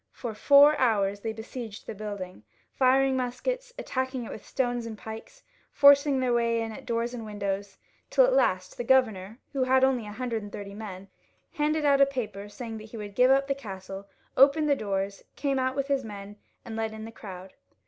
For four hours they besieged the building, firing muskets, attacking it with stones and pi|:es, forcing their way in at doors or windows, till at last the governor, who had only a hundred and thirty men, and saw that they would fight for him no longer, handed out a paper, saying that he would give up the castle — opened the doors, came out with his men, and let in the crowd.